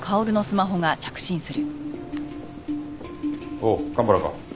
おう蒲原か。